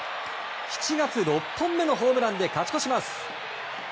７月、６本目のホームランで勝ち越します。